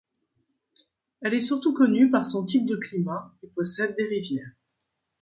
Elle est surtout connue par son type de climat et possède des rivières.